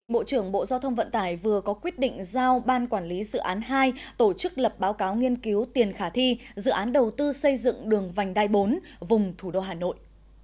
bộ trưởng bộ giao thông vận tải vừa có quyết định giao ban quản lý dự án hai tổ chức lập báo cáo nghiên cứu tiền khả thi dự án đầu tư xây dựng đường vành đai bốn vùng thủ đô hà nội